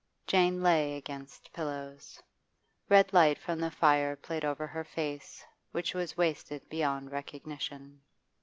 Jane lay against pillows. Red light from the fire played over her face, which was wasted beyond recognition.